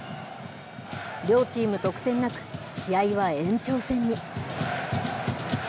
両チーム、得点なく、試合は延長戦に。